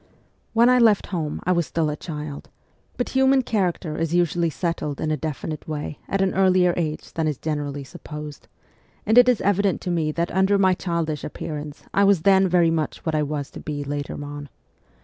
When I left home I was still a child ; but human character is usually settled in a definite way at an earlier age than is generally supposed, and it is evident to me that under my childish appear ance I was then very much what I was to be later on.